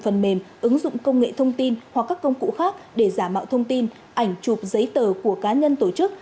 phần mềm ứng dụng công nghệ thông tin hoặc các công cụ khác để giả mạo thông tin ảnh chụp giấy tờ của cá nhân tổ chức